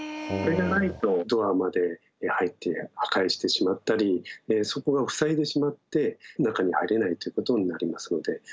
これがないとドアまで入って破壊してしまったりそこを塞いでしまって中に入れないということになりますので。